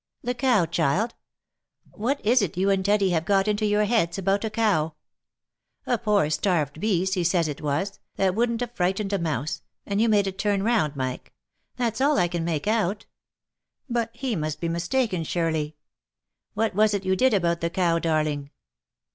" The cow, child ? What is it you and Teddy have got into your heads about a cow ? A poor starved beast, he says it was, that 40 THE LIFE AND ADVENTURES wouldn't have frightened a mouse, and you made it turn round, Mike — that's all I can make out. But he must be mistaken surely. What was it you did about the cow, darling